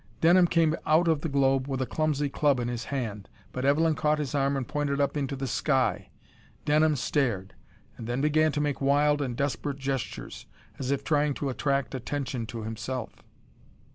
Denham came out of the globe with a clumsy club in his hand. But Evelyn caught his arm and pointed up into the sky. Denham stared, and then began to make wild and desperate gestures as if trying to attract attention to himself.